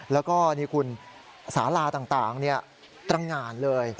แล้วก็นี่คุณสาลาต่างตรงานเลย